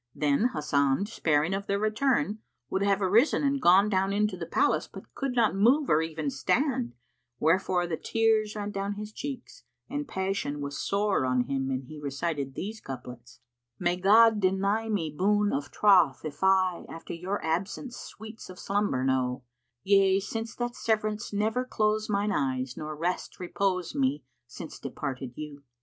Then, Hasan, despairing of their return, would have arisen and gone down into the palace but could not move or even stand; wherefore the tears ran down his cheeks and passion was sore on him and he recited these couplets, "May God deny me boon of troth if I * After your absence sweets of slumber know: Yea; since that sev'rance never close mine eyes, * Nor rest repose me since departed you!